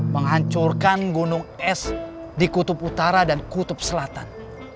menghancurkan gunung es di kutub utara dan kutub selatan